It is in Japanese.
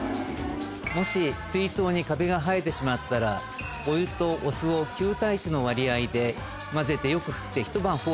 もし水筒にカビが生えてしまったらお湯とお酢を９対１の割合で混ぜてよく振って。